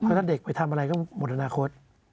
เพราะถ้าเด็กไปทำอะไรก็หมดอนาคต